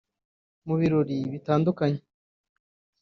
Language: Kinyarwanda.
mu birori bitandukanye